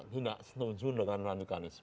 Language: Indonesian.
tidak setuju dengan radikalisme